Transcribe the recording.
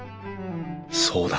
そうだ。